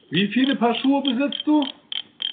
Wie viele Paar Schuhe besitzt du?